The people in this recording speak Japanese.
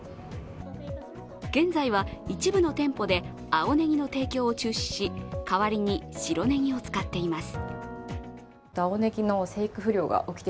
現在は一部の店舗で青ねぎの提供を中止し代わりに白ねぎを使っています。